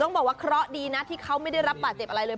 บอกว่าเคราะห์ดีนะที่เขาไม่ได้รับบาดเจ็บอะไรเลย